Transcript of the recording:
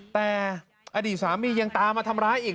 แต่อดีตสามียังตามมาทำร้ายอีก